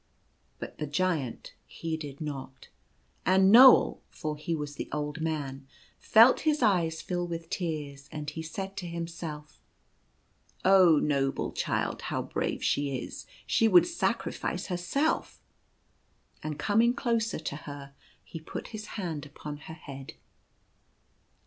But the giant heeded not. And Knoal — for he was the old man — felt his eves fill with tears, and he said to himself, " Oh, noble child, how brave she is, she would sacri fice herself! " And, coming closer to her, he put his hand upon her head.